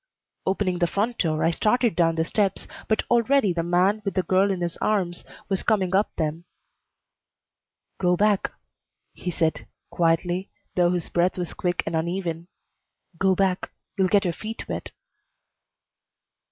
Opening the front door, I started down the steps, but already the man, with the girl in his arms, was coming up them. "Go back," he said, quietly, though his breath was quick and uneven. "Go back. You'll get your feet wet."